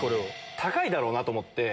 高いだろうなと思って。